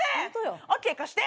ＯＫ貸して。